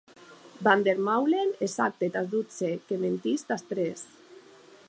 Van der Meulen, exacte, tàs dotze, que mentís tàs tres.